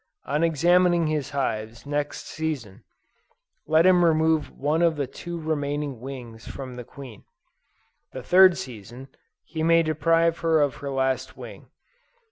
On examining his hives next season, let him remove one of the two remaining wings from the queen. The third season, he may deprive her of her last wing.